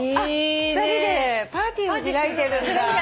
２人でパーティーを開いてるんだ。